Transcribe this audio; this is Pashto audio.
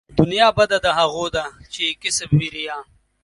دنيا بده د هغو ده چې يې کسب وي ريا